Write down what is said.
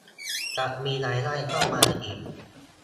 จะมีรายได้เข้ามาอีก